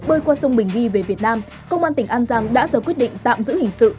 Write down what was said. bơi qua sông bình ghi về việt nam công an tỉnh an giang đã ra quyết định tạm giữ hình sự